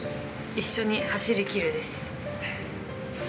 一緒に走り切るです。